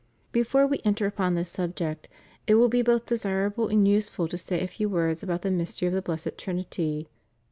* Before We enter upon this subject, it will be both desir able and useful to say a few words about the mystery of the Blessed Trinity.